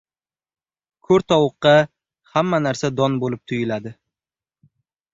• Ko‘r tovuqqa hamma narsa don bo‘lib tuyuladi.